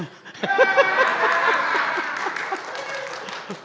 ฮ่า